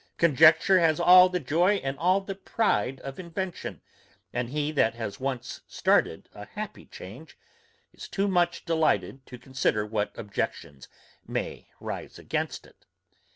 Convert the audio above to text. Conjecture has all the joy and all the pride of invention, and he that has once started a happy change, is too much delighted to consider what objections may rise against it.